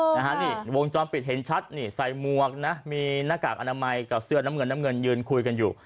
นะฮะนี่วงจรปิดเห็นชัดนี่ใส่มวกนะมีหน้ากากอนามัยกับเสื้อน้ำเงินน้ำเงินยืนคุยกันอยู่